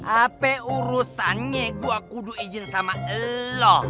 apa urusannya gue kudu izin sama lo